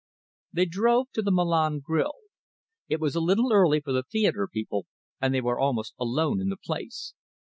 They drove to the Milan Grill. It was a little early for the theatre people, and they were almost alone in the place.